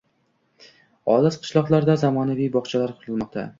Olis qishloqlarda zamonaviy bog‘chalar qurilmoqda